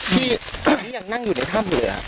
นี่ยังนั่งอยู่ในถ้ำอยู่หรือ